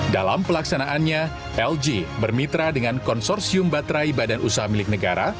dalam pelaksanaannya lj bermitra dengan konsorsium baterai badan usaha milik negara